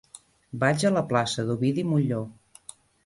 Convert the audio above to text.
Vaig a la plaça d'Ovidi Montllor.